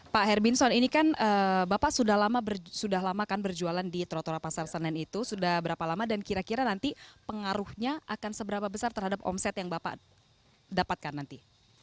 pak herbinson ini kan bapak sudah lama kan berjualan di trotoar pasar senen itu sudah berapa lama dan kira kira nanti pengaruhnya akan seberapa besar terhadap omset yang bapak dapatkan nanti